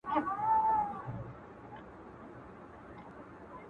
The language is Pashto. یوه توره تاریکه ورښکارېدله.!